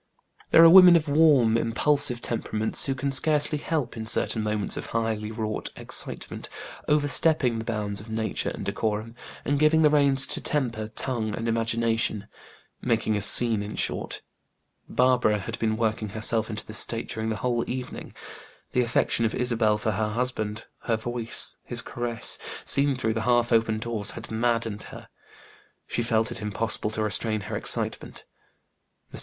There are women of warm, impulsive temperaments who can scarcely help, in certain moments of highly wrought excitement, over stepping the bounds of nature and decorum, and giving the reins to temper, tongue, and imagination making a scene, in short. Barbara had been working herself into this state during the whole evening. The affection of Isabel for her husband, her voice, his caresses seen through the half open doors had maddened her. She felt it impossible to restrain her excitement. Mr.